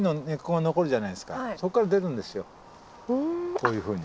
こういうふうに。